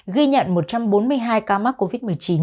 ghi nhận một trăm bốn mươi hai ca mắc covid một mươi chín